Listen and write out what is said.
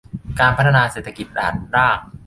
การพัฒนาเศรษฐกิจฐานราก